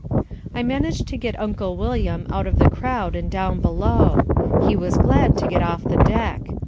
I managed to get Uncle William out of the crowd and down below. He was glad to get off the deck.